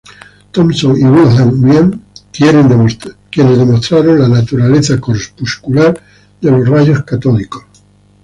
Thomson y Wilhelm Wien, quienes demostraron la naturaleza corpuscular de los rayos catódicos.